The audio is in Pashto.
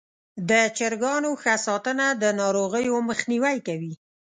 د چرګانو ښه ساتنه د ناروغیو مخنیوی کوي.